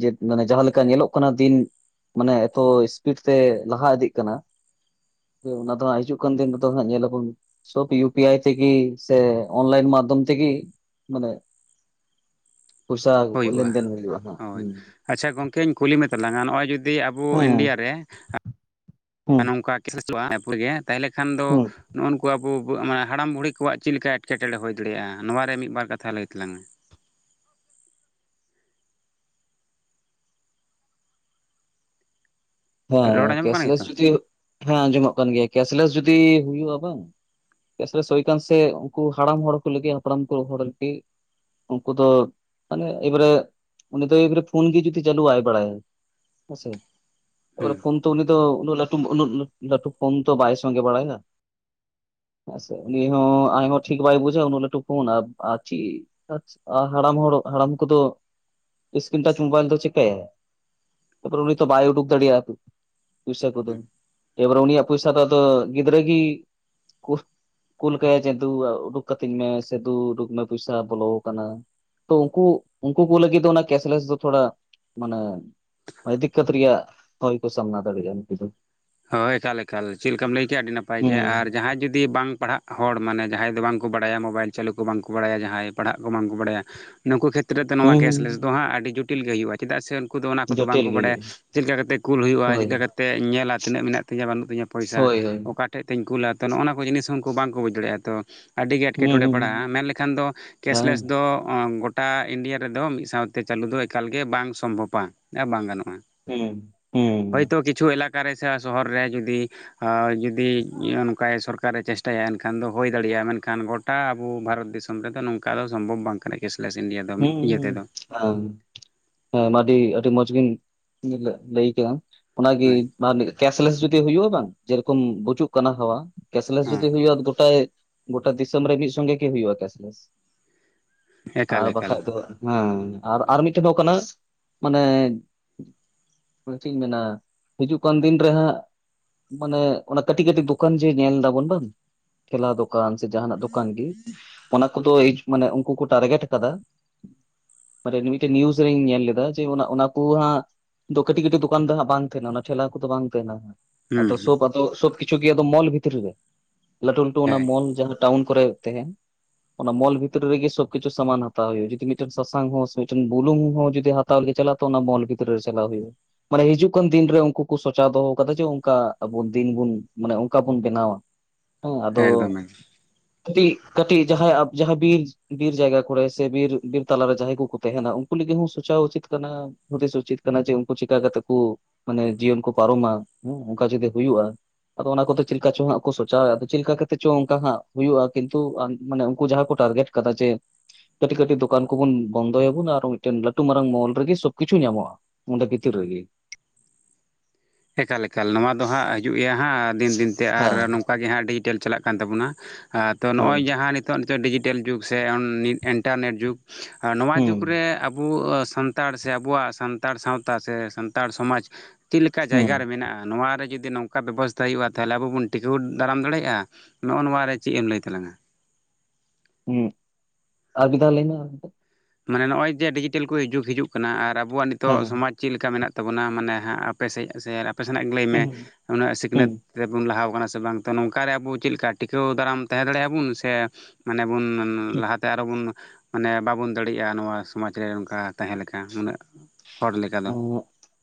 ᱡᱮ ᱢᱟᱱᱮ ᱡᱟᱦᱟᱸᱮᱠᱟ ᱧᱮᱞᱚᱜ ᱠᱟᱱᱟ ᱫᱤᱱ ᱢᱟᱱᱮ ᱮᱛᱚ ᱤᱥᱯᱤᱰ ᱛᱮ ᱞᱟᱦᱟ ᱤᱫᱤᱜ ᱠᱟᱱᱟ ᱮ ᱚᱱᱟ ᱫᱚ ᱦᱜ ᱦᱤᱡᱩᱜ ᱠᱟᱱ ᱫᱤᱱ ᱨᱮᱫᱚ ᱦᱟᱹ ᱧᱮᱞ ᱟᱵᱚᱱ ᱥᱚᱵ ᱤᱭᱩ ᱯᱤ ᱟᱭ ᱛᱮ ᱥᱮ ᱚᱱᱞᱟᱭᱤᱱ ᱢᱟᱫᱽᱫᱷᱚᱢ ᱛᱮ ᱢᱟᱱᱮ [inaudible] ᱯᱩᱥᱟ ᱞᱮᱱᱫᱮᱱᱼᱟ ᱦ ᱦᱩᱸ ᱟᱪᱷᱟ ᱜᱚᱝᱠᱮᱧ ᱠᱩᱞᱤ ᱢᱮ ᱛᱟᱞᱟᱝᱟ ᱱᱚᱜᱼᱚᱭ ᱡᱩᱫᱤ ᱟᱵᱚ ᱦᱮᱸ ᱤᱱᱰᱤᱭᱟ ᱨᱮ ᱦᱮᱸ ᱱᱚᱝᱠᱟᱚᱜᱼᱟᱯᱜᱮ ᱛᱟᱦᱚᱞᱮ ᱠᱷᱟᱱ ᱫᱚ ᱦᱮᱸ ᱱᱚᱜ-ᱚ ᱱᱩᱠᱩ ᱟᱵᱩ ᱵᱩ ᱢᱟᱱᱮ ᱦᱟᱲᱟᱢ ᱵᱩᱲᱦᱤ ᱠᱚᱣᱟᱜ ᱪᱤᱜ ᱞᱮᱠᱟ ᱮᱴᱠᱮᱴᱚᱬᱮ ᱦᱩᱭ ᱫᱟᱲᱮᱭᱟᱜ-ᱟ ᱱᱚᱣᱟ ᱨᱮ ᱢᱤᱫ ᱵᱟᱨ ᱠᱟᱛᱷᱟ ᱞᱟᱹᱭ ᱛᱟᱞᱟᱝ ᱢᱮ? ᱨᱚᱲ ᱦᱮᱸ ᱟᱸᱡᱚᱢᱚᱜ ᱠᱟᱱᱟ ᱠᱮᱥᱼᱞᱮᱥ ᱜᱮᱛᱚ ᱡᱩᱫᱤ ᱦᱮᱸ ᱟᱸᱡᱚᱢᱚᱜ ᱠᱟᱱ ᱜᱮᱭᱟ ᱠᱮᱥᱼᱞᱮᱥ ᱡᱩᱫᱤ ᱦᱩᱭᱩᱜ-ᱟ ᱵᱟᱝᱼᱼ ᱪᱮᱫᱟᱜ ᱥᱮ ᱥᱳᱭ ᱠᱟᱱ ᱥᱮ ᱩᱱᱠᱩ ᱦᱟᱲᱟᱢ ᱦᱚᱲ ᱠᱚ ᱞᱟᱹᱜᱤᱜ ᱦᱟᱯᱲᱟᱢ ᱠᱚ ᱦᱚᱲ ‌ᱞᱟᱹᱜᱤᱜ᱾ ᱩᱱᱠᱩ ᱫᱚ ᱢᱟᱱᱮ ᱮᱭ ᱵᱟᱨᱮ ᱩᱱᱤ ᱫᱚ ᱮᱭ ᱵᱟᱨᱮ ᱯᱷᱩᱱ ᱜᱮ ᱡᱩᱫᱤ ᱪᱟᱹᱞᱩ ᱵᱟᱭ ᱵᱟᱲᱟᱭᱟ᱾ ᱦᱮᱸᱥᱮ᱾ ᱳᱭ ᱦᱩᱸ ᱨᱚᱠᱚᱢ ᱛᱚ ᱩᱱᱤ ᱫᱚ ᱩᱱᱟᱹᱜ ᱞᱟᱹᱴᱩ ᱩᱱᱟᱹᱜ ᱞᱟᱹ ᱞᱟᱹᱴᱩ ᱯᱷᱳᱱ ᱛᱚ ᱵᱟᱭ ᱥᱚᱝᱜᱮ ᱵᱟᱲᱟᱭᱟ᱾ ᱦᱮᱸ ᱥᱮ ᱩᱱᱤ ᱦᱚᱸ ᱟᱡ ᱦᱚᱸ ᱴᱷᱤᱠ ᱵᱟᱭ ᱵᱩᱡᱟ ᱩᱱᱟᱹᱜ ᱞᱟᱹᱴᱩ ᱯᱷᱚᱱ ᱟ ᱟᱨ ᱪᱤᱜᱼᱼ ᱟᱪᱪᱷᱟ ᱦᱟᱲᱟᱢ ᱦᱚᱲ ᱦᱟᱲᱟᱢ ᱠᱚᱫᱚ ᱤᱥᱠᱨᱤᱱ ᱴᱟᱪ ᱢᱳᱵᱟᱭᱤᱞ ᱫᱚ ᱪᱤᱠᱟᱭᱟᱭ? ᱛᱟᱯᱚᱨᱮ ᱛᱚ ᱩᱱᱤ ᱵᱟᱭ ᱩᱰᱩᱠ ᱫᱟᱲᱤᱭᱟᱜᱼᱼ ᱯᱩᱭᱥᱟ ᱠᱩᱫᱚ ᱦᱩᱸ ᱮᱵᱟᱨᱮ ᱩᱱᱤ ᱭᱟᱜ ᱯᱚᱭᱥᱟ ᱫᱚ ᱟᱫᱚ ᱜᱤᱫᱽᱨᱟᱹ ᱜᱤᱼᱼ [unintelligible] ᱠᱩᱞ ᱠᱟᱭᱟᱮ ᱩᱰᱩᱠ ᱠᱟᱹᱛᱤᱧ ᱢᱮ ᱥ ᱫᱩ ᱩᱰᱩᱠ ᱢᱮ ᱯᱚᱭᱥᱟ ᱵᱚᱞᱚ ᱟᱠᱟᱱᱟ᱾ ᱛᱚ ᱩᱱᱠᱩ ᱩᱱᱠᱩ ᱠᱚ ᱞᱟᱹᱜᱤᱫ ᱫᱚ ᱚᱱᱟ ᱠᱮᱥᱼᱞᱮᱥ ᱫᱚ ᱛᱷᱚᱲᱟ ᱢᱟᱱᱮᱼᱼ ᱦᱚᱭ ᱫᱤᱠᱠᱚᱛ ᱨᱮᱭᱟᱜ ᱦᱚᱭ ᱠᱚ ᱥᱟᱢᱱᱟ ᱫᱟᱲᱮᱭᱟᱜ-ᱟ ᱱᱩᱠᱩ ᱫᱚ᱾ ᱦᱚᱭ ᱮᱠᱟᱞ ᱮᱠᱟᱞ ᱪᱮᱜ ᱞᱮᱠᱟᱢ ᱞᱟᱹᱭ ᱠᱮᱜ-ᱟ ᱟᱹᱰᱤ ᱱᱟᱯᱟᱭ ᱜᱮ ᱟᱨ ᱦᱩᱸ ᱡᱟᱦᱟᱸᱭ ᱡᱩᱫᱤ ᱵᱟᱝ ᱯᱟᱲᱦᱟᱜᱼᱼ ᱦᱚᱲ ᱢᱟᱱᱮ ᱡᱟᱦᱟᱸᱭ ᱫᱚ ᱵᱟᱝ ᱠᱚ ᱵᱟᱲᱟᱭᱟ ᱢᱳᱵᱟᱭᱤᱞ ᱪᱟᱹᱞᱩ ᱠᱚ ᱵᱟᱝᱠᱚ ᱵᱟᱲᱟᱭᱟ ᱡᱟᱦᱟᱸᱭ ᱯᱟᱲᱦᱟᱜ ᱠᱚ ᱵᱟᱝ ᱠᱚ ᱵᱟᱲᱟᱭᱟ᱾ ᱱᱩᱠᱩ ᱠᱷᱮᱛᱨᱚ ᱛᱮ ᱱᱚᱣᱟ ᱦᱩᱸ ᱠᱮᱥᱼᱞᱮᱥ ᱫᱚ ᱦᱟᱸᱜ ᱟᱹᱰᱤ ᱡᱩᱴᱤᱞ ᱜᱮ ᱦᱩᱭᱩᱜ-ᱟ᱾ ᱪᱤᱫᱟᱜ ᱥᱮ ᱩᱱᱠᱩ ᱫᱚ ᱚᱱᱟ ᱠᱩᱫᱚ ᱵᱟᱝ ᱡᱚᱴᱤᱞ ᱠᱚ ᱜᱮ ᱵᱟᱲᱟᱭᱟ ᱦᱩᱭᱩᱜᱼᱟ᱾ ᱪᱮᱜ ᱞᱮᱠᱟ ᱠᱟᱛᱮᱜ ᱠᱩᱞ ᱦᱩᱭᱩᱜ-ᱟ ᱦᱳᱭ ᱪᱮᱜ ᱞᱮᱠᱟ ᱠᱟᱛᱮᱜ ᱠᱚ ᱧᱮᱞᱟ᱾ ᱛᱤᱱᱟᱹᱜ ᱢᱮᱱᱟᱜ ᱛᱤᱧᱟ ᱵᱟᱱᱩᱜ ᱛᱤᱧᱟ ᱯᱚᱭᱥᱟ ᱦᱳᱭ ᱦᱳᱭ᱾ ᱚᱠᱟ ᱴᱷᱮᱡ ᱛᱤᱧ ᱠᱩᱞᱟ ᱛᱚ ᱱᱚᱜ-ᱚᱱᱟ ᱠᱚ ᱡᱤᱱᱤᱥ ᱦᱚᱸ ᱩᱱᱠᱩ ᱵᱟᱝ ᱠᱭ ᱵᱩᱡᱽ ᱫᱟᱲᱮᱭᱟᱜ-ᱟ ᱛᱚᱼᱼ ᱟᱹᱰᱤ ᱜᱮ ᱮᱴᱠᱮᱴᱚᱬᱮ ᱦᱩᱸ ᱯᱟᱲᱟᱜ-ᱟ ᱢᱮᱱ ᱞᱮᱠᱷᱟᱱ ᱫᱚ ᱠᱮᱥᱼᱞᱮᱥ ᱦᱮᱸ ᱫᱚ ᱚᱸ ᱜᱚᱴᱼᱼ ᱴᱟ ᱤᱱᱰᱤᱭᱟ ᱨᱮᱫᱚ ᱢᱤᱫ ᱥᱟᱶᱛᱮ ᱪᱟᱞᱩ ᱫᱚ ᱮᱠᱟᱞ ᱜᱮ ᱵᱟᱝ ᱥᱚᱢᱵᱷᱚᱯᱟ ‌ᱮᱸ ᱵᱟᱝ ᱜᱟᱱᱚᱜᱼᱼ ᱱᱚᱜᱼᱟ ᱦᱩᱸ ᱦᱩᱸ ᱦᱳᱭᱛᱚ ᱠᱤᱪᱷᱩ ᱮᱞᱟᱠᱟ ᱨᱮ ᱥᱮ ᱥᱚᱦᱚᱨ ᱨᱮ ᱡᱩᱫᱤᱼᱼ ᱟᱻ ᱡᱩᱫᱤᱡ ᱚᱱᱠᱟᱭ ᱥᱚᱨᱠᱟᱨᱮ ᱪᱮᱥᱴᱟᱭᱟ ᱮᱱᱠᱷᱟᱱ ᱫᱚ ᱦᱚᱭ ᱫᱟᱲᱮᱭᱟᱜ-ᱟ ᱢᱮᱱᱠᱷᱟᱱ ᱜᱚᱴᱼᱼᱼ ᱴᱟ ᱟᱵᱩ ᱵᱷᱟᱨᱚᱛ ᱫᱤᱥᱚᱢ ᱨᱮᱫᱚ ᱱᱚᱝᱠᱟ ᱫᱚ ᱥᱚᱢᱵᱷᱚᱵᱽ ᱵᱟᱝ ᱠᱟᱱᱟ ᱠᱮᱥᱼᱞᱮᱥ ᱤᱱᱰᱤᱭᱟ ᱫᱚ ᱢᱤᱫ ᱦᱩᱸ ᱤᱭᱟᱹ ᱛᱮᱫᱚ᱾ ᱦᱮᱸ ᱦᱮᱸ ᱟᱹᱰᱤ ᱟᱹᱰᱤ ᱢᱚᱸᱡᱽ ᱜᱤᱢ ᱢᱤᱞᱟᱹ ᱞᱟᱹᱭ ᱠᱟᱜᱼᱟ ᱚᱱᱟ ᱜᱤᱼᱼ ᱦᱳᱭ ᱵᱟ ᱢᱤᱫ ᱠᱮᱥᱼᱞᱮᱥ ᱡᱩᱫᱤ ᱦᱩᱭᱩᱜᱼᱟ ᱵᱟᱝ ᱡᱮ ᱨᱚᱠᱚᱢ ᱵᱩᱪᱩᱜ ᱠᱟᱱᱟ ᱦᱟᱣᱟᱼᱼ ᱠᱮᱥᱼᱞᱮᱥ ᱦᱮᱸ ᱡᱩᱫᱤ ᱦᱩᱭᱩᱜ-ᱟ ᱜᱚᱴᱟᱭ ᱜᱚᱴᱟ ᱫᱤᱥᱟᱹᱢ ᱨᱮ ᱢᱤᱫ ᱥᱚᱸᱜᱮ ᱜᱮ ᱦᱩᱭᱩᱜ-ᱟ ᱠᱮᱥᱼᱞᱮᱥ᱾ ᱮᱠᱟᱞ ᱟᱨ ᱮᱠᱟᱞ ᱵᱟᱠᱷᱟᱡ ᱫᱚ ᱦᱮᱸ ᱟᱨ ᱦᱩᱸ ᱟᱨ ᱢᱤᱫᱴᱮᱡ ᱫᱚ ᱠᱟᱱᱟ ᱢᱟᱱᱮ ᱼᱼ ᱚᱱᱮ ᱪᱤᱜ ᱤᱧ ᱢᱮᱱᱟ ᱦᱤᱡᱩᱜ ᱠᱟᱱ ᱫᱤᱱ ᱨᱮ ᱦᱟᱸᱜᱼᱼ ᱢᱟᱱᱮ ᱚᱱᱟ ᱠᱟᱹᱴᱤᱡ ᱠᱟᱹᱴᱤᱡ ᱫᱚᱠᱟᱱ ᱡᱮ ᱧᱮᱞ ᱫᱟᱵᱚᱱ ᱵᱟᱝ? ᱠᱮᱞᱟ ᱫᱚᱠᱟᱱ ᱥᱮ ᱡᱟᱦᱟᱸ ᱱᱟᱜ ᱫᱚᱠᱟᱱ ᱜᱮ, ᱚᱱᱟ ᱠᱚᱫᱚᱭ ᱢᱟᱱᱮ ᱩᱱᱠᱩ ᱠᱚ ᱴᱟᱨᱜᱮᱴᱼᱼ ᱠᱟᱫᱟ, ᱢᱟᱱᱮ ᱢᱤᱫᱴᱮᱱ ᱱᱤᱭᱩᱡ ᱨᱤᱧ ᱧᱮᱞ ᱞᱮᱫᱟ ᱡᱮ ᱚᱱᱟ ᱚᱱᱟ ᱠᱩ ᱦᱟᱸᱜᱼᱼ ᱫᱚ ᱠᱟᱹᱴᱤᱡ ᱠᱟᱹᱴᱤᱡ ᱫᱚᱠᱟᱱ ᱫᱚ ᱦᱟᱸᱜ ᱵᱟᱝ ᱛᱮᱦᱮᱱᱟ ᱚᱱᱟ ᱴᱷᱮᱞᱟ ᱠᱩᱫᱚ ᱵᱟᱝ ᱛᱮᱦᱮᱱᱟ ᱾ ᱦᱩᱸ ᱟᱫᱚ ᱦᱮᱸ ᱥᱳᱵᱽ ᱟᱫᱚ ᱥᱚᱵᱽ ᱠᱤᱪᱷᱩ ᱜᱮ ᱟᱫᱚ ᱢᱚᱞ ᱵᱷᱤᱛᱨᱤ ᱨᱮ ᱞᱟᱹᱴᱩ ᱞᱟᱹᱴᱩ ᱚᱱᱟ ᱢᱚᱞ ᱦᱮᱸ ᱡᱟᱦᱟᱸᱼᱼ ᱴᱟᱣᱩᱱ ᱠᱚᱨᱮ ᱛᱮᱦᱮᱸᱱ ᱚᱱᱟ ᱢᱚᱞ ᱵᱷᱤᱛᱨᱤ ᱨᱮᱜᱮ ᱠᱤᱪᱷᱩᱥᱼᱼ ᱥᱟᱢᱟᱱ ᱦᱟᱛᱟᱣ ᱦᱩᱭᱩᱜ-ᱟ ᱡᱩᱫᱤ ᱢᱤᱫᱴᱮᱡ ᱥᱟᱥᱟᱝ ᱦᱚᱸ ᱥᱮ ᱢᱤᱫᱴᱮᱱ ᱵᱩᱞᱩᱝ ᱦᱚᱸ ᱡᱩᱫᱤ ᱦᱟᱛᱟᱣ ᱞᱟᱹᱜᱤᱫ ᱪᱟᱞᱟᱜ-ᱟ ᱛᱚ ᱚᱱᱟ ᱢᱚᱞ ᱵᱷᱤᱛᱨᱤ ᱨᱮ ᱪᱟᱞᱟᱣ‌ ᱦᱩᱭᱩᱜ-ᱟ᱾ ᱢᱟᱱᱮ ᱦᱤᱡᱩᱜ ᱠᱟᱱ ᱫᱤᱱ ᱨᱮ ᱩᱱᱠᱩ ᱠᱚ ᱥᱚᱪᱟᱣ ᱫᱚᱦᱚᱣ ᱠᱟᱫᱟ ᱡᱮ ᱚᱱᱠᱟ ᱟᱵᱩ ᱫᱤᱱ ᱵᱩᱱ ᱢᱟᱱᱮ ᱚᱱᱠᱟ ᱵᱩᱱ ᱵᱮᱱᱟᱣᱟ᱾ ᱦᱮᱸ ᱮᱠᱫᱚᱢ ᱟᱫᱚ ᱮᱠᱫᱚᱢ ᱠᱟᱹᱴᱤᱡ, ᱠᱟᱹᱴᱤᱡ ᱡᱟᱦᱟᱸᱭ ᱡᱟᱦᱟᱸ ᱵᱤᱨ ᱵᱤᱨ ᱡᱟᱭᱜᱟ ᱠᱚᱼᱼ ᱠᱚᱨᱮ ᱥᱮ ᱵᱤᱨ ᱵᱤᱨ ᱛᱟᱞᱟ ᱨᱮ ᱡᱟᱦᱟᱸᱭ ᱠᱩᱠᱩ ᱛᱮᱦᱮᱱᱟ ᱩᱱᱠᱩ ᱞᱟᱹᱜᱤᱜ ᱦᱚᱸ ᱥᱩᱪᱟᱣ ᱩᱪᱤᱛ ᱠᱟᱱᱟᱼᱼ ᱦᱩᱫᱤᱥ ᱩᱪᱤᱛ ᱠᱟᱱᱟ ᱡᱮ ᱩᱱᱠᱩ ᱪᱤᱠᱟ ᱠᱟᱛᱮᱜ ᱠᱚ ᱢᱟᱱᱮ ᱡᱤᱭᱚᱱ ᱠᱚ ᱯᱟᱨᱚᱢᱟ, ᱦᱮᱸ ᱚᱱᱠᱟ ᱡᱩᱫᱤ ᱦᱩᱭᱩᱜ-ᱟᱼᱼ ᱟᱫᱚ ᱚᱱᱟ ᱠᱚᱛᱮ ᱪᱮᱜ ᱞᱮᱠᱟ ᱪᱚ ᱦᱟᱸᱜ ᱠᱚ ᱥᱚᱪᱟᱣᱮᱜ ᱟᱫᱚ ᱪᱮᱜ ᱞᱮᱠᱟ ᱠᱟᱛᱮᱜ ᱪᱚ ᱚᱱᱠᱟ ᱦᱟᱸᱜ ᱦᱩᱭᱩᱜ-ᱟ ᱠᱤᱱᱛᱩ ᱟᱸ ᱢᱟᱱᱮ ᱩᱱᱠᱩ ᱡᱟᱦᱟᱸ ᱠᱚ ᱴᱟᱨᱜᱮᱴᱼᱼ ᱠᱟᱫᱟ ‌ᱡᱮᱼᱼ ᱠᱟᱹᱴᱤᱡ ᱠᱟᱹᱴᱤᱡ ᱫᱚᱠᱟᱱ ᱠᱩᱵᱚᱞᱩᱱ ᱵᱚᱱ ᱵᱚᱱᱫᱚᱭᱟ ᱵᱩᱱ ᱟᱨ ᱢᱤᱫᱴᱮᱱ ᱞᱟᱹᱴᱩ ᱢᱟᱨᱟᱝ ᱢᱚᱞ ᱨᱮᱜᱮ ᱥᱚᱵᱽ ᱠᱤᱪᱷᱩ ᱧᱟᱢᱚᱜ-ᱟ᱾ ᱚᱱᱰᱮ ᱵᱷᱤᱛᱤᱨ ᱨᱮᱜᱮ᱾ ᱮᱠᱟᱞ ᱮᱠᱟᱞ ᱱᱚᱣᱟ ᱫᱚ ᱦᱟᱸᱜ ᱦᱟᱹᱡᱩᱜ ᱜᱮᱭᱟ ᱦᱟᱸᱜ ᱫᱤᱱ ᱫᱤᱱ ᱛᱮ ᱟᱨ ᱦᱮᱸ ᱱᱚᱝ ᱚᱝᱠᱟ ᱜᱮ ᱦᱟᱸᱜ ᱰᱤᱡᱤᱴᱮᱞ ᱪᱟᱞᱟᱜ ᱠᱟᱱ ᱛᱟᱵᱚᱱᱟ ᱦᱟᱸᱜ ᱛᱚ ᱦᱳᱭ ᱱᱚᱜ-ᱚᱭ ᱡᱟᱦᱟᱸ ᱱᱤᱛ ᱱᱤᱛᱚᱜ ᱱᱤᱛᱚᱜ ᱰᱤᱡᱤᱴᱮᱞ ᱡᱩᱜᱽ ᱥᱮ ᱚᱱ ᱱᱤ ᱤᱱᱴᱟᱨᱱᱮᱴ ᱡᱩᱜᱽ ᱟ ᱱᱚᱣᱟ ᱦᱩᱸ ᱡᱩᱜᱽ ᱨᱮ ᱟᱵᱩ ᱥᱟᱱ ᱛᱟᱲ ᱥᱮ ᱟᱵᱚᱣᱟᱜ ᱥᱟᱱᱛᱟᱲ ᱥᱟᱶᱛᱟ ᱥᱮ ᱥᱟᱱᱛᱟᱲ ᱥᱚᱢᱟᱡᱽᱼᱼ ᱠᱟ ᱦᱩᱸ ᱡᱟᱭᱜᱟ ᱨᱮ ᱢᱮᱱᱟᱜ-ᱟ ᱱᱚᱣᱟ ᱨᱮ ᱡᱩᱫᱤ ᱱᱚᱝᱼᱼ ᱚᱠᱟ ᱵᱮᱵᱚᱥᱛᱟ ᱦᱩᱭᱩᱜᱼᱟ ᱛᱟᱦᱚᱞᱮ ᱟᱵᱚ ᱵᱚᱱ ᱴᱤᱠᱟᱹᱣ ᱫᱟᱲᱟᱢ ᱫᱟᱲᱮᱭᱟᱜᱼᱟ ᱱᱚᱜᱼᱚ ᱱᱚᱣᱟᱨᱮ ᱪᱮᱜ ᱮᱢ ᱞᱟᱹᱭ ᱛᱟᱞᱟᱝᱟ? ᱦᱩᱸ ᱟᱨ ᱵᱤᱫ ᱫᱷᱟᱣ ᱞᱮᱭᱢᱮ᱾ ᱢᱟᱱᱮ ᱱᱚᱜᱼᱚᱭ ᱡᱮ ᱰᱤᱡᱤᱴᱮᱞ ᱠᱚ ᱡᱩᱜᱽ ᱦᱤᱡᱩᱜ ᱠᱟᱱᱟ ᱟᱨ ᱟᱵᱚᱣᱟᱜ ᱦᱮᱸ ᱱᱤᱛᱚᱜ ᱦᱮᱸ ᱥᱚᱢᱟᱡᱽ ᱪᱤᱫ ᱞᱮᱠᱟ ᱢᱮᱱᱟᱜ ᱛᱟᱵᱚᱱᱟ ᱢᱟᱱᱮ ᱦᱟᱸᱜ ᱟᱯᱮᱥᱮᱡ ᱥᱮ ᱟᱯᱮ ᱥᱮᱱᱟᱜ ᱜᱮ ᱞᱟᱹᱭᱢᱮ ᱦᱩᱸ ᱦᱩᱸ ᱩᱱᱟᱹᱜ ᱦᱩᱸ ᱥᱤᱠᱷᱱᱟᱹᱛ ᱨᱮ ᱵᱚᱱ ᱞᱟᱦᱟᱣ ᱠᱟᱱᱟ ᱥᱮ ᱵᱟᱝ ᱱᱚᱝᱠᱟᱨᱮ ᱟᱵᱚ ᱪᱮᱜᱞᱮᱠᱟ ᱴᱤᱠᱟᱹᱣ ᱫᱟᱨᱟᱢ ᱛᱮᱦᱮᱸ ᱫᱟᱲᱮᱭᱟᱜ ᱟᱵᱚᱱ ᱥᱮ ᱢᱟᱱᱮ ᱵᱚᱱ ᱞᱟᱦᱟᱛᱮ ᱟᱨ ᱵᱚᱱ ᱢᱟᱱᱮ ᱵᱟᱵᱚᱱ ᱫᱟᱲᱮᱜᱼᱟ ᱱᱚᱣᱟ ᱥᱚᱢᱟᱡᱽ ᱨᱮ ᱱᱚᱝᱠᱟ ᱛᱟᱦᱮᱸ ᱞᱮᱠᱟ ᱱᱩᱱᱟᱹᱜ ᱦᱚᱲ ᱞᱮᱠᱟ ᱫᱚ᱾ [unintelligible]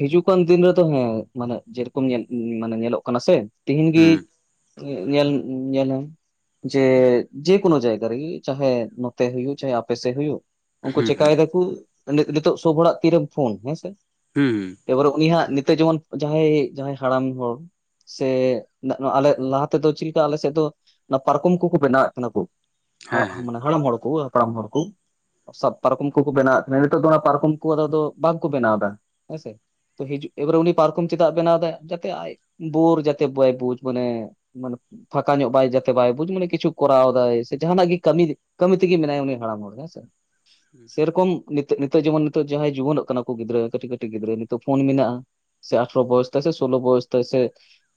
ᱦᱤᱡᱩᱜ ᱠᱟᱱ ᱫᱤᱱ ᱨᱮᱫᱚ ᱦᱮᱸ ᱢᱟᱱᱮ ᱡᱮᱨᱚᱠᱚᱢ ᱧᱮᱞ ᱢᱟᱱᱮ ᱧᱮᱞᱚᱜ ᱠᱟᱱᱟ ᱥᱮ, ᱛᱤᱦᱤᱧ ᱜᱤ ᱦᱩᱸ ᱧᱮᱞ ᱧᱮᱞᱟᱢ᱾ ᱡᱮ ᱡᱮᱠᱳᱱᱳ ᱡᱟᱭᱜᱟ ᱨᱮᱜᱤ ᱪᱟᱦᱟᱭᱮ ᱱᱚᱛᱮ ᱦᱩᱭᱩᱜ ᱪᱟᱦᱮ ᱟᱯᱮᱥᱮ ᱦᱩᱭᱩᱜ᱾ ᱩᱱᱠᱩ ᱦᱩᱸ ᱪᱮᱠᱟᱭ ᱦᱩᱸ ᱫᱟᱠᱩ ᱱᱤᱛ ᱱᱤᱛᱚᱜ ᱥᱳᱵᱽ ᱦᱚᱲᱟᱜ ᱛᱤᱨᱮ ᱯᱷᱳᱱ ᱦᱮᱸᱥᱮ᱾ ᱦᱩᱸ ᱦᱩᱸ᱾ ᱮᱵᱟᱨᱮ ᱩᱱᱤ ᱦᱟᱸᱜ ᱱᱤᱛᱚᱜ ᱡᱮᱢᱚᱱ ᱡᱟᱦᱟᱸᱭ ᱡᱟᱦᱟᱸᱭ ᱦᱟᱲᱟᱢ ᱦᱚᱲ ᱥᱮ ᱟᱞᱮ ᱞᱟᱦᱟ ᱛᱮᱫᱚ ᱪᱤᱞᱠᱟ ᱟᱞᱮᱥᱮᱜ ᱫᱚ ᱱᱟ ᱯᱟᱨᱠᱚᱢ ᱠᱚᱠᱚ ᱵᱮᱱᱟᱣᱮᱫ ᱛᱟᱦᱮᱱᱟ ᱠᱚ᱾ ᱦᱮᱸ ᱦᱟᱲᱟᱜ ᱦᱮᱸ ᱢᱟᱱᱮ ᱦᱟᱲᱟᱢ ᱦᱚᱲ ᱠᱚ᱾ ᱦᱟᱲᱟᱢ ᱦᱚᱲ ᱠᱩ ᱥᱟᱵ ᱯᱟᱨᱠᱚᱢ ᱠᱚᱠᱚ ᱵᱮᱱᱟᱣᱮᱫ ᱛᱟᱦᱮᱸ ᱱᱤᱛᱚᱜ ᱫᱚ ᱚᱱᱟ ᱯᱟᱨᱠᱚᱢ ᱠᱚ ᱟᱫᱚ ᱫᱚ ᱵᱟᱝᱠᱚ ᱵᱮᱱᱟᱣ ᱫᱟ ᱦᱮᱸ ᱥᱮ᱾ ᱛᱚ ᱦᱤᱡᱩᱜ ᱮᱵᱟᱨᱮ ᱩᱱᱤ ᱯᱟᱨᱠᱚᱢ ᱪᱮᱫᱟᱜ ᱵᱮᱱᱟᱣ ᱫᱟᱭ ᱡᱟᱛᱮ ᱟᱡ ᱵᱳᱨ ᱡᱟᱛᱮ ᱵᱟᱭ ᱵᱩᱡᱽ ᱢᱟᱱᱮ ᱢᱟᱱᱮ ᱯᱷᱟᱸᱠᱟ ᱧᱚᱜ ᱵᱟᱭ ᱡᱟᱛᱮ ᱵᱟᱭ ᱵᱩᱡᱽ ᱢᱟᱱᱮ ᱠᱤᱪᱷᱩ ᱠᱚᱨᱟᱣ ᱫᱟᱭ ᱥᱮ ᱡᱟᱦᱟᱱᱟᱜ ᱜᱤ ᱠᱟᱹᱢᱤ ᱠᱟᱹᱢᱤ ᱛᱤᱜᱤ ᱢᱮᱱᱟᱭᱟ ᱩᱱᱤ ᱦᱟᱲᱟᱢ ᱦᱚᱲ ᱦᱮᱸᱥᱮ ᱥᱮᱨᱚᱠᱚᱢ ᱱᱤᱛᱚᱜ ᱱᱤᱛᱚᱜ ᱡᱮᱢᱚᱱ ᱱᱤᱛᱚᱜ ᱡᱟᱦᱟᱸᱭ ᱡᱩᱭᱟᱱᱚᱜ ᱠᱟᱱᱟ ᱠᱚ ᱜᱤᱫᱽᱨᱟᱹ ᱠᱟᱹᱴᱤᱜ ᱠᱟᱹᱴᱤᱜ ᱜᱤᱫᱽᱨᱟᱹ ᱱᱤᱛᱚᱜ ᱯᱷᱳᱱ ᱢᱮᱱᱟᱜᱼᱟ, ᱥᱮ ᱟᱴᱷᱨᱚ ᱵᱚᱭᱚᱥ ᱛᱮᱥᱮ ᱥᱳᱞᱳ ᱵᱚᱭᱮᱥ ᱛᱮ ᱥᱮ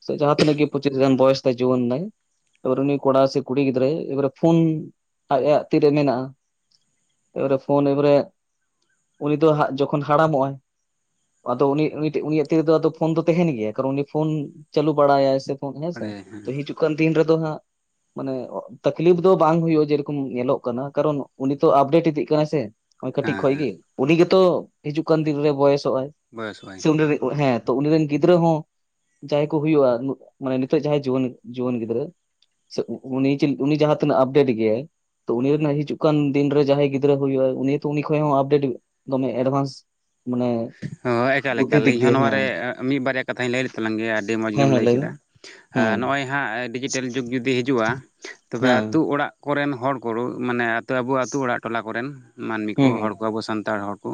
ᱥᱮ ᱡᱟᱦᱟᱸ ᱛᱤᱱᱟᱹᱜ ᱜᱮ ᱯᱚᱪᱤᱥ ᱜᱟᱱ ᱵᱚᱭᱚᱥ ᱛᱟᱭ ᱡᱩᱭᱟᱹᱱ ᱱᱟᱭ᱾ ᱛᱚᱨᱚᱱᱤ ᱠᱚᱲᱟ ᱥᱮ ᱠᱩᱲᱤ ᱜᱤᱫᱽᱨᱟᱹᱭ ᱮᱵᱟᱨᱮ ᱯᱷᱳᱱ ᱟᱡᱭᱟᱜ ᱛᱤᱨᱮ ᱢᱮᱱᱟᱜᱼᱟ᱾ ᱮᱵᱟᱨᱮ ᱯᱷᱳᱱ ᱮᱵᱟᱨᱮ ᱩᱱᱤ ᱫᱚ ᱦᱟᱸᱜ ᱡᱚᱠᱷᱚᱱ ᱦᱟᱲᱟᱢᱚᱜ ᱟᱭ᱾ ᱟᱫᱚ ᱩᱱᱤ ᱩᱱᱤᱴᱮᱜ ᱩᱱᱤᱭᱟᱜ ᱛᱤᱨᱮᱫᱚ ᱟᱫᱚ ᱯᱷᱳᱱ ᱫᱚ ᱛᱮᱦᱮᱱ ᱜᱮᱭᱟ ᱠᱟᱨᱚᱱ ᱩᱱᱤ ᱯᱷᱳᱱ ᱪᱟᱹᱞᱩ ᱵᱟᱲᱟᱭᱟᱭ ᱥᱮ ᱯᱷᱳᱱ ᱦᱮᱸᱥᱮ ᱵᱟᱲᱟᱭ ᱦᱮᱸ ᱛᱚ ᱦᱤᱡᱩᱜ ᱠᱟᱱ ᱫᱤᱱ ᱨᱮᱫᱚ ᱦᱟᱸᱜ ᱢᱟᱱᱮ ᱛᱟᱠᱞᱤᱯ ᱫᱚ ᱵᱟᱝ ᱦᱳᱭᱳᱜᱼᱟ᱾ ᱡᱮᱨᱚᱠᱚᱢ ᱧᱮᱞᱚᱜ ᱠᱟᱱᱟ ᱠᱟᱨᱚᱱ ᱩᱱᱤ ᱛᱚ ᱟᱯᱰᱮᱴ ᱤᱫᱤᱜ ᱠᱟᱱᱟᱭ ᱥᱮ᱾ ᱦᱚᱜᱼᱚᱭ ᱠᱟᱹᱴᱤᱡ ᱦᱮᱸ ᱠᱷᱚᱡ ᱦᱮᱸ ᱜᱮ ᱩᱱᱤ ᱜᱮᱛᱚ ᱦᱤᱡᱩᱜ ᱠᱟᱱ ᱫᱤᱱ ᱨᱮ ᱵᱚᱭᱮᱥᱚᱜᱟᱭ ᱵᱚᱭᱚᱥᱚᱜ ᱟᱹᱧ ᱥᱮ ᱩᱱᱤ ᱨᱤᱱᱤᱡ ᱦᱮᱸ ᱛᱚ ᱩᱱ ᱨᱮᱱ ᱜᱤᱫᱽᱨᱟᱹ ᱦᱚᱸ ᱡᱟᱦᱟᱸᱭ ᱠᱚ ᱦᱩᱭᱩᱜᱼᱟ᱾ ᱢᱟᱱᱮ ᱱᱤᱛᱚᱜ ᱡᱟᱦᱟᱸᱭ ᱡᱩᱣᱟᱹᱱ ᱡᱩᱣᱟᱹᱱ ᱜᱤᱫᱽᱨᱟᱹ ᱥᱮᱜ ᱩᱱᱤ ᱪᱤᱞ ᱩᱱᱤ ᱡᱟᱦᱟᱸ ᱛᱤᱱᱟᱹᱜ ᱟᱯᱰᱮᱴ ᱜᱮᱭᱟᱭ᱾ ᱛᱚ ᱩᱱᱤ ᱨᱮᱱᱟᱜ ᱦᱤᱡᱩᱜ ᱠᱟᱱ ᱫᱤᱱᱨᱮ ᱡᱟᱦᱟᱸᱭ ᱜᱤᱫᱽᱨᱟᱹ ᱠᱚ ᱦᱩᱭᱩᱜᱼᱟ ᱩᱱᱤ ᱛᱚ ᱩᱱᱤ ᱠᱷᱚᱡ ᱦᱚᱸ ᱟᱯᱰᱮᱴ ᱫᱚᱢᱮ ᱮᱰᱵᱷᱟᱱᱥ ᱢᱟᱱᱮ ᱦᱳᱭ ᱵᱩᱫᱽᱫᱷᱤ ᱫᱤᱠ ᱮᱠᱟᱞᱮᱠᱟᱞᱤᱧ ᱦᱚᱸ ᱫᱤᱭᱮ ᱦᱮᱸ ᱱᱚᱭᱟᱨᱮ ᱢᱤᱜ ᱵᱟᱨᱭᱟ ᱠᱟᱛᱷᱟᱧ ᱞᱟᱹᱭ ᱞᱮᱛᱞᱟᱝ ᱜᱮᱭᱟ ᱟᱹᱰᱤ ᱢᱚᱸᱡᱽ ᱦᱮᱸ ᱜᱮᱢ ᱦᱮᱸ ᱞᱟᱹᱭ ᱵᱤᱱ ᱠᱮᱫᱟ᱾ ᱦᱩᱸ ᱱᱚᱜᱼᱚᱭ ᱦᱟᱸᱜ ᱰᱤᱡᱤᱴᱮᱞ ᱡᱩᱜᱽ ᱡᱩᱫᱤ ᱦᱤᱡᱩᱜᱼᱟ᱾ ᱛᱚᱵᱮ ᱟᱹᱛᱩ ᱦᱮᱸ ᱚᱲᱟᱜ ᱠᱚᱨᱮᱱ ᱦᱚᱲ ᱠᱚ ᱠᱳᱨᱳ ᱢᱟᱱᱮ ᱟᱛᱳ ᱟᱵᱚ ᱟᱛᱳ ᱚᱲᱟᱜ ᱴᱚᱞᱟ ᱠᱚᱨᱮᱱ ᱢᱟᱹᱱᱢᱤ ᱠᱚ ᱦᱩᱸ ᱦᱚᱲ ᱠᱚ ᱟᱵᱚ ᱥᱟᱱᱛᱟᱲ ᱦᱚᱲ ᱠᱚ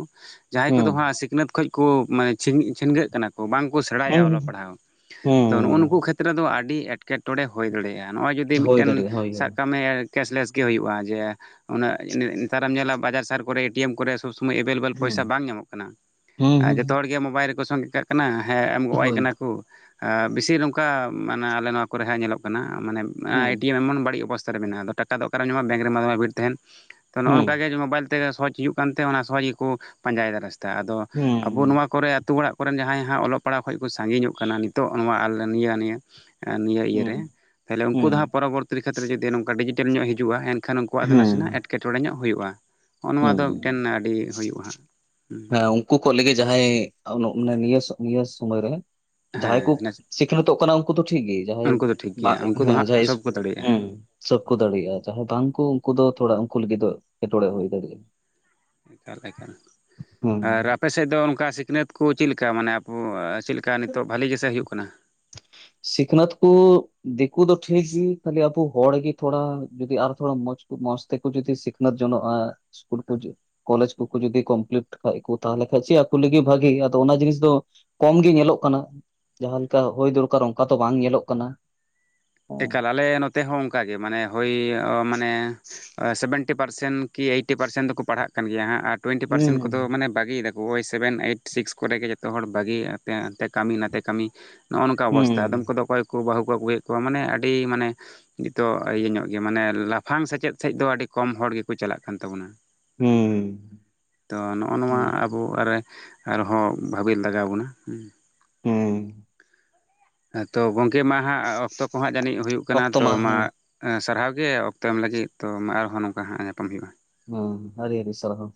ᱡᱟᱦᱟᱸᱭ ᱠᱚᱫᱚ ᱦᱩᱸ ᱦᱟᱸᱜ ᱥᱤᱠᱷᱱᱟᱹᱛ ᱠᱷᱚᱡ ᱠᱚ ᱢᱟᱱᱮ ᱪᱷᱤᱝ ᱪᱷᱤᱱᱜᱟᱹᱜ ᱠᱟᱱᱟ ᱵᱟᱝᱠᱚ ᱥᱮᱬᱟᱭᱮᱜᱼᱟ ᱦᱩᱸ ᱚᱞᱚᱜ ᱦᱩᱸ ᱯᱟᱲᱦᱟᱣ᱾ ᱛᱚ ᱱᱩᱜᱼᱩ ᱱᱩᱠᱩ ᱦᱩᱸ ᱠᱷᱮᱛᱨᱮ ᱫᱚ ᱟᱹᱰᱤ ᱮᱴᱠᱮᱴᱚᱬᱮ ᱦᱳᱭ ᱫᱟᱲᱮᱭᱟᱜᱼᱟ᱾ ᱱᱚᱜᱼᱚᱭ ᱡᱩᱫᱤ ᱦᱩᱭ ᱢᱤᱫᱴᱮᱱ ᱫᱟᱲᱮᱭᱟᱜᱼᱟ ᱦᱳᱭ ᱦᱳᱭ ᱥᱟᱠ ᱠᱟᱜ ᱢᱮ ᱠᱮᱥᱞᱮᱥ ᱜᱮ ᱦᱚᱭᱩᱜᱼᱟ ᱡᱮ ᱩᱱᱟᱹᱜ ᱱᱮᱛᱟᱨᱮᱢ ᱧᱮᱞᱟ ᱵᱟᱡᱟᱨ ᱥᱟᱦᱟᱨ ᱠᱚᱨᱮ ᱮᱴᱤᱭᱮᱢ ᱠᱚᱨᱮ ᱥᱚᱵᱽ ᱥᱚᱢᱚᱭ ᱮᱵᱮᱞᱮᱵᱮᱞ ᱦᱩᱸ ᱯᱚᱭᱥᱟ ᱵᱟᱝ ᱧᱟᱢᱚᱜ ᱠᱟᱱᱟ᱾ ᱦᱩᱸ ᱟᱨ ᱦᱩᱸ ᱡᱚᱛᱚ ᱦᱚᱲᱜᱮ ᱢᱳᱵᱟᱭᱤᱞ ᱨᱮᱠᱚ ᱥᱚᱝᱜᱮ ᱠᱟᱜ ᱠᱟᱱᱟ ᱦᱮᱸ ᱮᱢ ᱜᱚᱜᱼᱟᱭ ᱦᱳᱭ ᱠᱟᱱᱟ ᱠᱩ᱾ ᱟᱹ ᱵᱤᱥᱤ ᱱᱚᱝᱠᱟ ᱢᱟᱱᱮ ᱟᱞᱮ ᱱᱚᱣᱟ ᱠᱚᱨᱮ ᱦᱟᱸᱜ ᱧᱮᱞᱚᱜ ᱠᱟᱱᱟ ᱢᱟᱱᱮ ᱟᱸ ᱦᱩᱸ ᱮᱴᱤᱮᱢ ᱮᱢᱚᱱ ᱵᱟᱹᱲᱤᱡ ᱚᱵᱚᱥᱛᱟ ᱨᱮ ᱢᱮᱱᱟᱜᱼᱟ ᱟᱫᱚ ᱴᱟᱠᱟ ᱫᱚ ᱚᱠᱟᱨᱮᱢ ᱧᱟᱢᱟ ᱵᱮᱝᱠ ᱨᱮᱢᱟ ᱫᱚᱢᱮ ᱵᱷᱤᱲ ᱛᱟᱦᱮᱱ ᱛᱚ ᱱᱚᱜᱼᱚ ᱱᱚᱝᱠᱟ ᱦᱩᱸ ᱜᱮ ᱡᱮ ᱢᱳᱵᱟᱭᱤᱞ ᱛᱮᱜᱮ ᱥᱚᱦᱚᱡ ᱦᱩᱭᱩᱜ ᱠᱟᱱᱛᱮ ᱚᱱᱟ ᱥᱚᱦᱚᱡ ᱜᱮᱠᱚ ᱯᱟᱸᱡᱟᱭᱮᱫᱟ ᱨᱟᱥᱛᱟ᱾ ᱟᱫᱚ ᱟᱵᱚ ᱦᱩᱸ ᱱᱚᱣᱟ ᱠᱚᱨᱮ ᱟᱛᱩ ᱚᱲᱟᱜ ᱠᱚᱨᱮᱱ ᱡᱟᱦᱟᱸᱭ ᱦᱟᱸᱜ ᱚᱞᱚᱜ ᱯᱟᱲᱦᱟᱜ ᱠᱷᱚᱡ ᱠᱚ ᱥᱟᱺᱜᱤᱧᱚᱜ ᱠᱟᱱᱟ ᱱᱤᱛᱚᱜ ᱱᱚᱣᱟ ᱟᱞᱞᱟᱹᱱᱤᱭᱟᱹ ᱱᱤᱭᱟᱹ ᱱᱤᱭᱟᱹ ᱤᱭᱟᱹᱨᱮ ᱦᱩᱸ ᱛᱟᱦᱚᱞᱮ ᱩᱝᱠᱩ ᱫᱚ ᱦᱟᱸᱜ ᱦᱩᱸ ᱯᱚᱨᱚᱵᱚᱨᱛᱤᱨᱤ ᱠᱷᱮᱛᱨᱮ ᱡᱩᱫᱤ ᱱᱚᱝᱠᱟ ᱰᱤᱡᱤᱴᱮᱞ ᱧᱚᱜ ᱦᱤᱡᱩᱜᱼᱟ ᱮᱱ ᱮᱱᱠᱷᱟᱱ ᱩᱱᱠᱩᱣᱟᱜ ᱦᱩᱸ ᱫᱚ ᱱᱟᱥᱮᱱᱟᱜ ᱦᱩᱸ ᱮᱴᱠᱮᱴᱚᱬᱮ ᱧᱚᱜ ᱦᱩᱭᱩᱜᱼᱟ ᱦᱚᱜᱼᱚ ᱱᱚᱣᱟ ᱫᱚ ᱢᱤᱫᱴᱮᱱ ᱟᱹᱰᱤ ᱦᱩᱭᱩᱜᱼᱟ ᱦᱟᱸᱜ ᱦᱮᱸ ᱩᱝᱠᱩ ᱠᱚ ᱞᱮᱜᱮᱡ ᱡᱟᱦᱟᱭ ᱟᱵᱚ ᱱᱚᱜ ᱢᱟᱱᱮ ᱱᱤᱭᱟᱹ ᱥᱚᱜ ᱱᱤᱭᱟᱹ ᱥᱩᱢᱚᱭ ᱨᱮ ᱡᱟᱦᱟᱸᱭ ᱠᱚ ᱦᱮᱸ ᱥᱤᱠᱷᱱᱟᱹᱛᱚᱜ ᱠᱟᱱᱟ ᱩᱝᱠᱩ ᱫᱚ ᱴᱷᱤᱠ ᱜᱮ᱾ ᱡᱟᱦᱟᱸᱭ ᱩᱱᱠᱩ ᱫᱚ ᱴᱷᱤᱠ ᱜᱮᱭᱟ ᱵᱟᱜ ᱩᱱᱠᱩ ᱫᱚ ᱦᱮᱸ ᱦᱟᱸᱜ ᱡᱟᱦᱟᱸᱭ ᱤᱥ ᱥᱚᱵ ᱠᱚ ᱫᱟᱲᱮᱭᱟᱜᱼᱟ ᱦᱩᱸ ᱥᱟᱹᱵ ᱠᱚ ᱫᱟᱲᱮᱭᱟᱜᱼᱟ ᱡᱟᱦᱟᱸᱭ ᱵᱟᱝᱠᱚ ᱩᱝᱠᱚ ᱫᱚ ᱛᱷᱚᱲᱟ ᱩᱝᱠᱚ ᱞᱟᱹᱜᱤᱫ ᱫᱚ ᱮᱠᱮᱴᱚᱬᱮ ᱦᱩᱭ ᱫᱟᱲᱮᱭᱟᱜᱼᱟ᱾ ᱮᱠᱟᱞ ᱮᱠᱟᱞ ᱦᱩᱸ ᱟᱨ ᱟᱯᱮ ᱥᱮᱫ ᱫᱚ ᱱᱚᱝᱠᱟ ᱥᱤᱠᱷᱱᱟᱹᱛ ᱠᱚ ᱪᱮᱜᱞᱮᱠᱟ ᱢᱟᱱᱮ ᱟᱵᱚ ᱪᱮᱞᱮᱠ ᱠᱟ ᱱᱤᱛᱚᱜ ᱵᱷᱟᱹᱞᱤ ᱜᱮᱥᱮ ᱦᱩᱭᱩᱜ ᱠᱟᱱᱟ᱾ ᱥᱤᱠᱷᱱᱟᱹᱛ ᱠᱚ ᱫᱤᱠᱩ ᱫᱚ ᱴᱷᱤᱠᱜᱮ ᱠᱷᱟᱞᱤ ᱟᱵᱚ ᱦᱚᱲ ᱜᱤ ᱛᱷᱚᱲᱟ ᱡᱩᱫᱤ ᱟᱨᱚ ᱛᱷᱚᱲᱟ ᱢᱚᱸᱡᱽ ᱠᱷᱩᱵ ᱢᱚᱸᱡᱽ ᱛᱮᱠᱚ ᱡᱩᱫᱤ ᱥᱤᱠᱷᱱᱟᱹᱛ ᱡᱚᱱᱚᱜᱼᱟ ᱤᱥᱠᱩᱞ ᱠᱚ ᱡᱩ ᱠᱚᱞᱮᱡᱽ ᱠᱚ ᱡᱩᱫᱤ ᱠᱚᱢᱯᱞᱤᱴ ᱠᱷᱟᱡ ᱠᱚ ᱛᱟᱦᱚᱞᱮ ᱠᱷᱟᱡ ᱪᱮᱫ ᱟᱠᱩ ᱞᱟᱹᱜᱤᱫ ᱵᱷᱟᱜᱮ ᱟᱫᱚ ᱚᱱᱟ ᱡᱤᱱᱤᱥ ᱫᱚ ᱠᱚᱢ ᱜᱮ ᱧᱮᱞᱚᱜ ᱠᱟᱱᱟ ᱡᱟᱦᱟᱸ ᱞᱮᱠᱟ ᱦᱳᱭ ᱫᱚᱨᱠᱟᱨ ᱚᱝᱠᱟ ᱛᱚ ᱵᱟᱝ ᱧᱮᱞᱚᱜ ᱠᱟᱱᱟ᱾ ᱦᱮᱸ ᱮᱠᱟᱞ ᱟᱞᱮ ᱱᱚᱛᱮ ᱦᱚᱸ ᱚᱝᱠᱟ ᱜᱮ ᱢᱟᱱᱮ ᱦᱳᱭ ᱢᱟᱱᱮ ᱥᱮᱵᱷᱮᱱᱴᱤ ᱯᱟᱨᱥᱮᱱᱴ ᱠᱤ ᱮᱭᱤᱴᱤ ᱯᱟᱨᱥᱮᱱᱴ ᱫᱚᱠᱚ ᱯᱟᱲᱦᱟᱜ ᱠᱟᱱ ᱜᱮᱭᱟ ᱦᱟᱸᱜ ᱟᱨ ᱴᱩᱭᱮᱱᱴᱤ ᱯᱟᱨᱥᱮᱱᱴ ᱠᱚᱫᱚ ᱦᱩᱸ ᱢᱟᱱᱮ ᱵᱟᱹᱜᱤᱭᱮᱫᱟ ᱳᱭ ᱥᱮᱵᱷᱮᱱ, ᱮᱭᱤᱴ, ᱥᱤᱠᱥ ᱠᱚᱨᱮ ᱜᱮ ᱡᱚᱛᱚ ᱦᱚᱲ ᱵᱷᱟᱹᱜᱤ ᱟᱛᱮ ᱟᱱᱛᱮ ᱠᱟᱹᱢᱤ ᱱᱟᱛᱮ ᱠᱟᱹᱢᱤ ᱱᱚᱜᱼᱚ ᱱᱚᱠᱟ ᱚᱵᱚᱥᱛᱟ, ᱟᱫᱚᱢ ᱦᱩᱸ ᱠᱚᱫᱚ ᱚᱠᱚᱭ ᱠᱚ ᱵᱟᱹᱦᱩ ᱠᱚ ᱟᱹᱜᱩᱮᱜ ᱠᱚᱣᱟ ᱢᱟᱱᱮ ᱟᱹᱰᱤ ᱢᱟᱱᱮ ᱱᱤᱛᱚᱜ ᱤᱭᱟᱹ ᱧᱚᱜ ᱜᱮ ᱢᱟᱱᱮ ᱞᱟᱯᱷᱟᱝ ᱥᱮᱪᱮᱫ ᱥᱮᱫ ᱫᱚ ᱟᱹᱰᱤ ᱠᱚᱢ ᱦᱚᱲ ᱜᱮᱠᱚ ᱪᱟᱞᱟᱜ ᱠᱟᱱ ᱛᱟᱵᱚᱱᱟ᱾ ᱦᱩᱸ ᱛᱚ ᱱᱚᱜᱼᱚ ᱱᱚᱣᱟ ᱦᱩᱸ ᱟᱵᱚᱜ ᱟᱨᱮ ᱟᱨᱦᱚᱸ ᱵᱷᱟᱵᱮᱞ ᱫᱟᱜᱟᱣ ᱵᱚᱱᱟ ᱦᱩᱸ ᱦᱩᱸᱻ᱾ ᱦᱮᱸ ᱛᱚ ᱜᱚᱝᱠᱮ ᱢᱟ ᱦᱟᱸᱜ ᱚᱠᱛᱚ ᱠᱚ ᱦᱟᱸᱜ ᱡᱟᱹᱱᱤᱡ ᱦᱩᱭᱩᱜ ᱠᱟᱱᱟ, ᱚᱠᱛᱚ ᱛᱚ ᱢᱟ ᱦᱮᱸ ᱮᱸ ᱥᱟᱨᱦᱟᱣ ᱜᱮ ᱚᱠᱛᱚ ᱮᱢ ᱞᱟᱹᱜᱤᱫ ᱛᱚ ᱢᱟ ᱟᱨᱦᱚᱸ ᱱᱚᱝᱠᱟ ᱦᱟᱸᱜ ᱧᱟᱯᱟᱢ ᱦᱩᱭᱩᱜᱼᱟ᱾ ᱦᱩᱸ ᱟᱹᱰᱤ ᱟᱹᱰᱤ ᱥᱟᱨᱦᱟᱣ᱾